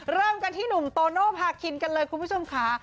เริ่มกันที่หนุ่มโตโนภาคินกันเลยคุณผู้ชมค่ะ